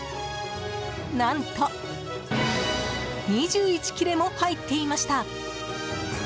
何と２１切れも入っていました。